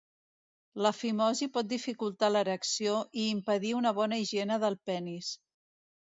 La fimosi pot dificultar l'erecció i impedir una bona higiene del penis.